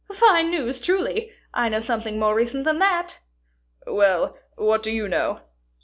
"Fine news, truly! I know something more recent than that." "Well, what do you know?"